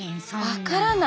分からない。